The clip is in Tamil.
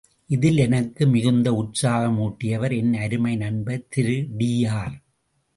இதில் எனக்கு மிகுந்த உற்சாக மூட்டியவர் என் அருமை நண்பர் திரு டி.ஆர்.